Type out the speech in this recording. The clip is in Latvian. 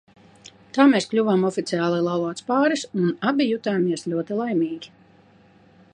Tā mēs kļuvām oficiāli laulāts pāris un abi jutāmies ļoti laimīgi.